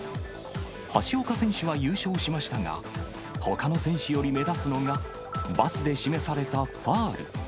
橋岡選手は優勝しましたが、ほかの選手よりも目立つのが、バツで示されたファウル。